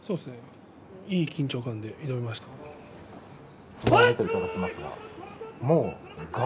いい緊張感で臨めました。